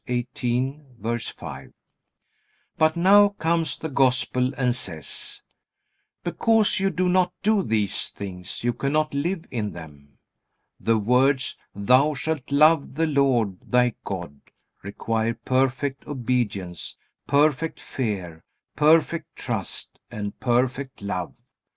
18:5.) But now comes the Gospel and says: "Because you do not do these things, you cannot live in them." The words, "Thou shalt love the Lord, thy God," require perfect obedience, perfect fear, perfect trust, and perfect love.